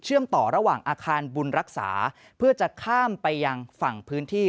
ต่อระหว่างอาคารบุญรักษาเพื่อจะข้ามไปยังฝั่งพื้นที่